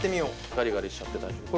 ガリガリしちゃって大丈夫です。